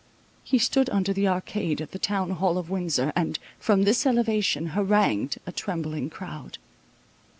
He stood under the arcade of the town hall of Windsor, and from this elevation harangued a trembling crowd.